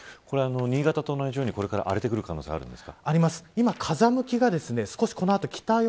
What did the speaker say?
新潟と同じようにこれから荒れてくる可能性があるんですか。